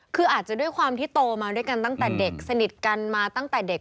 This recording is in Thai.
คืออาจจะด้วยความที่โตมาด้วยกันตั้งแต่เด็กสนิทกันมาตั้งแต่เด็ก